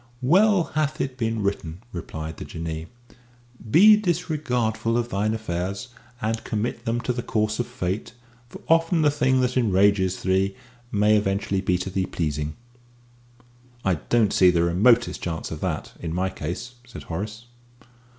"Well hath it been written," replied the Jinnee: "'Be disregardful of thine affairs, and commit them to the course of Fate, For often a thing that enrages thee may eventually be to thee pleasing.'" "I don't see the remotest chance of that, in my case," said Horace.